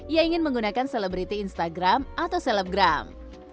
ia ingin menggunakan selebriti instagram atau selebgram